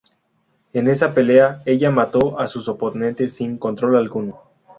En esa pelea, ella mató a sus oponentes sin control alguno.